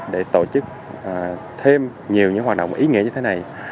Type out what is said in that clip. để tổ chức thêm nhiều những hoạt động ý nghĩa như thế này